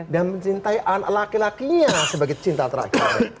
dan mencintai anak laki lakinya sebagai cinta terakhir